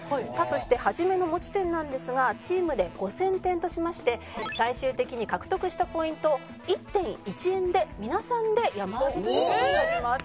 そして初めの持ち点なんですがチームで５０００点としまして最終的に獲得したポイントを１点１円で皆さんで山分けという事になります。